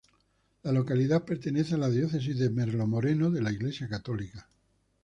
La localidad pertenece a la Diócesis de Merlo-Moreno de la Iglesia católica.